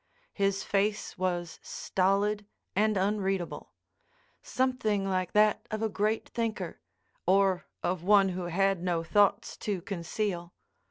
His face was stolid and unreadable—something like that of a great thinker, or of one who had no thoughts to conceal.